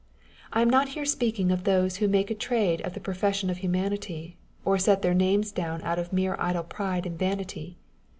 I am not here speaking of those who make a trade of the profession of humanity, or set their names down out of mere idle parade and vanity.